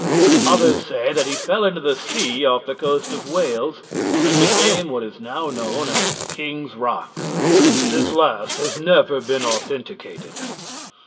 Others say that he fell into the sea off the coast of Wales and became what is now known as King's Rocks. This last has never been authenticated.